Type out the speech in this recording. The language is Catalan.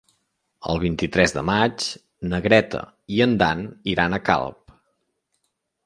El vint-i-tres de maig na Greta i en Dan iran a Calp.